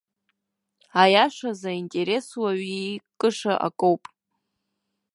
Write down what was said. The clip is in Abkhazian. Аиашаз интересс уаҩы иикыша акоуп.